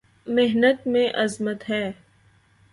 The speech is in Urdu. محنت میں عظمت ہے